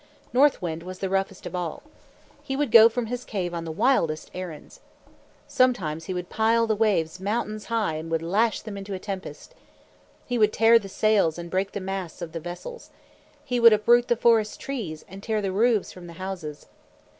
North Wind was the roughest of all. He would go from his cave on the wildest errands. Sometimes he would pile the waves mountains high and would lash them into a tempest. He would tear the sails and break the masts of the vessels. He would uproot the forest trees and tear the roofs from the houses.